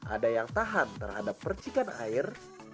ada yang tahan terhadap percikan air